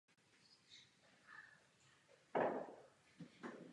Za Ludvíka Filipa byl třikrát ministrem vnitra a dvakrát premiérem.